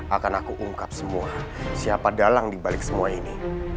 akan aku ungkap semua siapa dalang dibalik semua ini